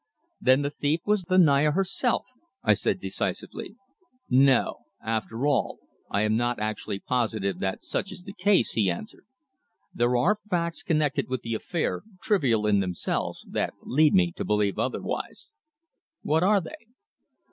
"Then the thief was the Naya herself," I said, decisively. "No; after all, I am not actually positive that such is the case," he answered. "There are facts connected with the affair, trivial in themselves, that lead me to believe otherwise." "What are they?"